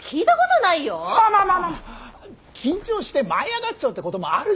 まあまあ緊張して舞い上がっちゃうってこともあるじゃない？